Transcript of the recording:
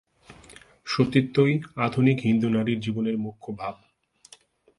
সতীত্বই আধুনিক হিন্দু নারীর জীবনের মুখ্য ভাব।